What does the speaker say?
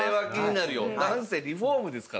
なんせリフォームですからね。